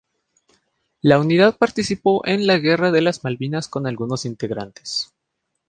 La unidad participó en la guerra de las Malvinas con algunos integrantes.